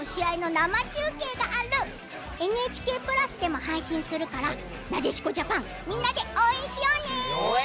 生中継があるＮＨＫプラスでも配信するからなでしこジャパンみんなで応援しようね。